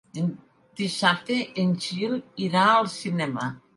Dissabte en Gil irà al cinema.